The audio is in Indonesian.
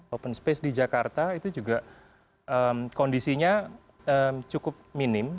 open space di jakarta itu juga kondisinya cukup minim